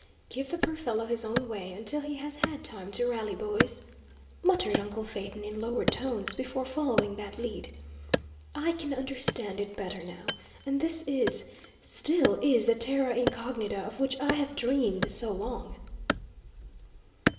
"Give the poor fellow his own way until he has had time to rally, boys," muttered uncle Phaeton, in lowered tones, before following that lead. "I can understand it better, now, and this is still is the terra incognita of which I have dreamed so long!"